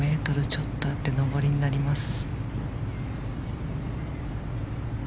１０ｍちょっとあって上りになります。